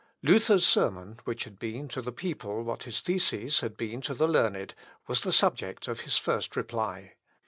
Luther's sermon, which had been to the people what his theses had been to the learned, was the subject of his first reply.